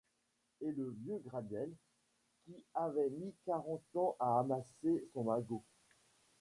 Et le vieux Gradelle, qui avait mis quarante ans à amasser son magot!